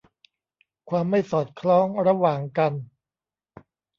ความไม่สอดคล้องระหว่างกัน